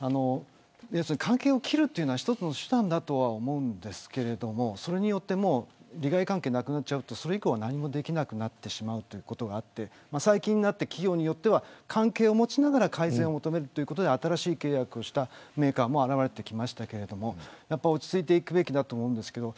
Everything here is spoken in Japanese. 関係を切るというのは一つの手段だと思うんですけど利害関係がなくなっちゃうとそれ以降は何もできなくなってしまうということがあって最近は企業によっては関係を持ちながら改善を求めるということで新しい契約をしたメーカーも現れてきましたがやっぱり落ち着いていくべきだと思うんですけど。